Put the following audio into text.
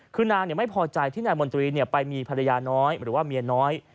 คือนางไม่พอใจที่นายมนตรีไปมีภรรยาน้อยหรือว่าเมียน้อย